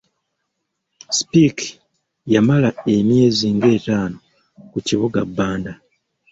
Speke yamala emyezi ng'etaano ku kibuga Bbanda.